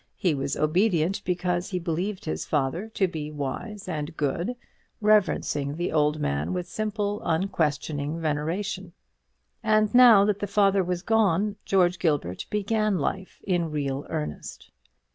He was obedient because he believed his father to be wise and good, reverencing the old man with simple, unquestioning veneration. And now that the father was gone, George Gilbert began life in real earnest.